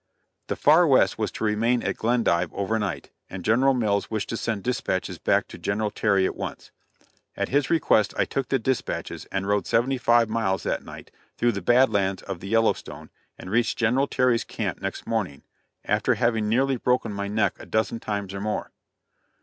The Far West was to remain at Glendive over night, and General Mills wished to send dispatches back to General Terry at once. At his request I took the dispatches and rode seventy five miles that night through the bad lands of the Yellowstone, and reached General Terry's camp next morning, after having nearly broken my neck a dozen times or more.